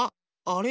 あれ？